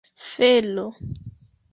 felo